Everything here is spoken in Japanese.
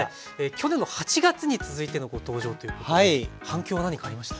去年の８月に続いてのご登場ということで反響は何かありました？